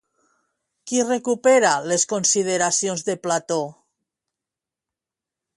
Qui recupera les consideracions de Plató?